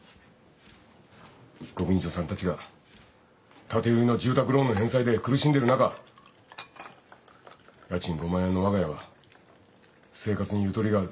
ご近所さんたちが建て売りの住宅ローンの返済で苦しんでる中家賃５万円のわが家は生活にゆとりがある。